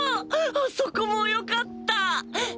あそこもよかった！